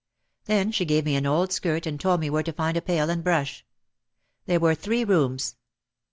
Then she gave me an old skirt and told me where to find a pail and brush. There were three rooms.